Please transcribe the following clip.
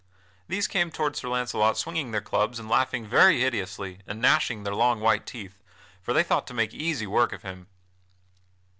These came toward Sir Launcelot swinging their clubs and laughing very hideously and gnashing their long white teeth, for they thought to make easy work of him.